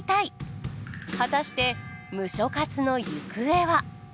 果たしてムショ活の行方は！？